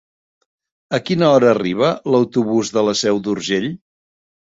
A quina hora arriba l'autobús de la Seu d'Urgell?